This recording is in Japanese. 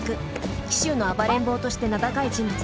紀州の「暴れん坊」として名高い人物です。